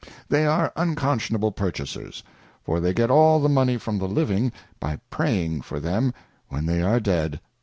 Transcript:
They are unconscionable Purchasers, for they get all the Money from the living by praying for them when they are dead.